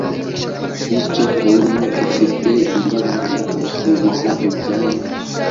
Bityo Pawulo afite imbaraga abwiriza ibya Yesu